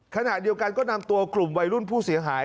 ขณะเดียวกันก็นำตัวกลุ่มวัยรุ่นผู้เสียหาย